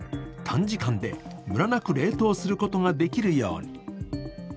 短時間でむらなく冷凍することができるように。